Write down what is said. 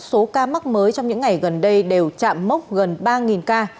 số ca mắc mới trong những ngày gần đây đều chạm mốc gần ba ca